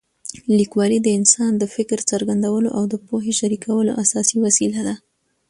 لیکوالي د انسان د فکر څرګندولو او د پوهې شریکولو اساسي وسیله ده.